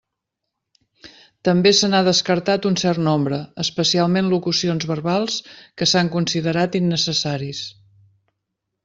També se n'ha descartat un cert nombre, especialment locucions verbals, que s'han considerat innecessaris.